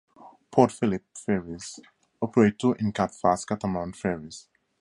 Port Phillip Ferries operate two Incat fast catamaran ferries.